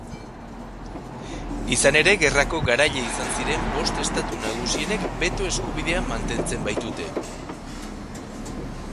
Izan ere, Gerrako garaile izan ziren bost estatu nagusienek beto eskubidea mantentzen baitute.